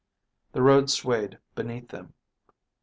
The road swayed beneath them.